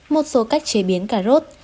một số cách chế biến cà rốt